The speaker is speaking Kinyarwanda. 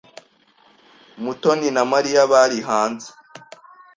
Mutoni na Mariya bari hanze.